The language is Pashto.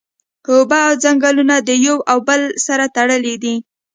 اوبه او ځنګلونه د یو او بل سره تړلی دی